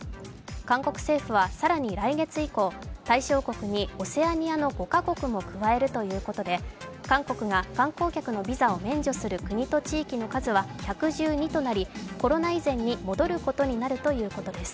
韓国政府は更に来月以降、オセアニアの５か国も加えるということで韓国が観光客のビザを免除する国と地域の数は１１２となりコロナ以前に戻ることになるということです。